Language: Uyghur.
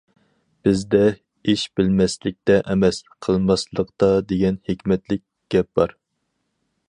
بىزدە« ئىش بىلمەسلىكتە ئەمەس، قىلماسلىقتا» دېگەن ھېكمەتلىك گەپ بار.